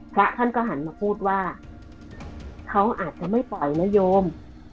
พระท่านก็หันมาพูดว่าเขาอาจจะไม่ปล่อยนโยม